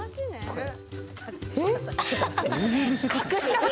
これ！